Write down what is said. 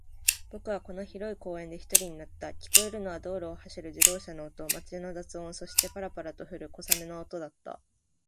僕はこの広い公園で一人になった。聞こえるのは道路を走る自動車の音、街の雑音、そして、パラパラと降る小雨の音だった。